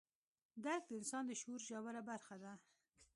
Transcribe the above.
درک د انسان د شعور ژوره برخه ده.